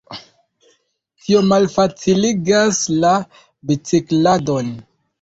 Tio malfaciligas la bicikladon.